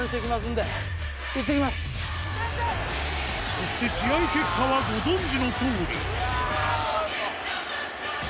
そして試合結果はご存じのとおりうわぁトラウト。